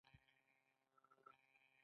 ایا زه له لور سره راشم؟